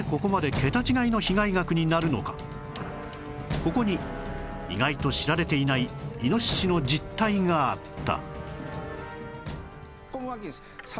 ここに意外と知られていないイノシシの実態があった